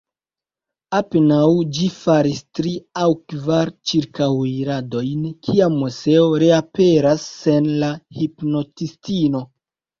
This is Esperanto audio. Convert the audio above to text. Apenaŭ ĝi faris tri aŭ kvar ĉirkaŭiradojn, kiam Moseo reaperas sen la hipnotistino.